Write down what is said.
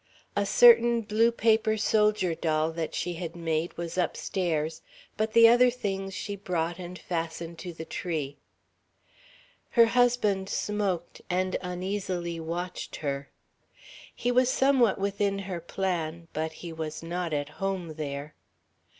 A certain blue paper soldier doll that she had made was upstairs, but the other things she brought and fastened to the tree. Her husband smoked and uneasily watched her. He saw somewhat within her plan, but he was not at home there.